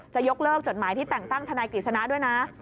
จะยกเลิกจดหมายที่แต่งตั้งทนายกฤษณะด้วยนะ